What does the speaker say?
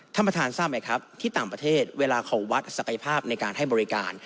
ท่านประธานทราบไหมครับที่ต่างประเทศเวลาเขาวัดศักยภาพในการให้บริการ